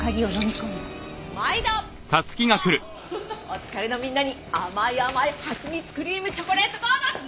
お疲れのみんなに甘い甘いはちみつクリームチョコレートドーナツ！